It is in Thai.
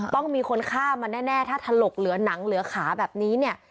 ต้องมีคนฆ่ามันแน่ถ้าถลกเหลือหนังเหลือขาแบบนี้เนี่ย